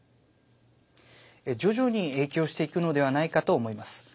徐々に影響していくのではないかと思います。